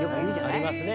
ありますね